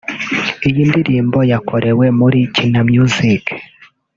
Iyi ndirimbo yakorewe muri Kina Music